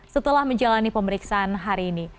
setelah menjalani pemeriksaan hari ini